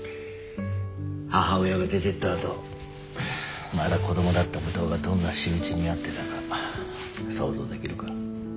母親が出てった後まだ子供だった武藤がどんな仕打ちに遭ってたか想像できるか？